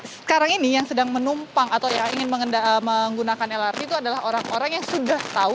sekarang ini yang sedang menumpang atau yang ingin menggunakan lrt itu adalah orang orang yang sudah tahu